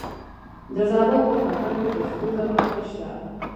د زابل په کاکړ کې د سرو زرو نښې شته.